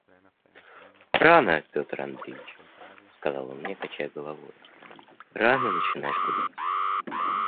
«Рано, Петр Андреич, – сказал он мне, качая головою, – рано начинаешь гулять.